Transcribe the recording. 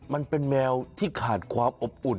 มันเป็นแมวที่ขาดความอบอุ่น